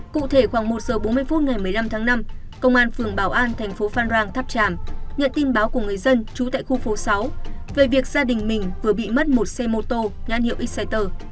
cụ thể khoảng một giờ bốn mươi phút ngày một mươi năm tháng năm công an phường bảo an thành phố phan rang tháp tràm nhận tin báo của người dân trú tại khu phố sáu về việc gia đình mình vừa bị mất một xe mô tô nhãn hiệu exciter